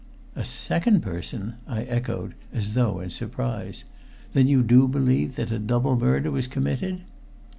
"A second person!" I echoed, as though in surprise. "Then do you believe that a double murder was committed?"